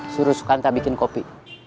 suruh sukanta bikin kopi